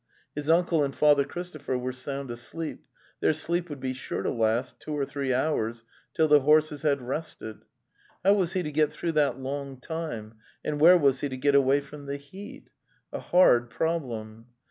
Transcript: His uncle and Father Christopher were sound asleep; their sleep would be sure to last two or three hours till the horses had rested. ... How was he to get through that long time, and where was he to get away from the heat? A hard problem.